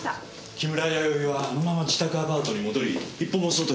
木村弥生はあのまま自宅アパートに戻り一歩も外へ出ていません。